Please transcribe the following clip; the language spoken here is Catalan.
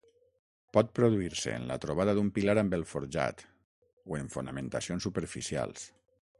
Pot produir-se en la trobada d'un pilar amb el forjat, o en fonamentacions superficials.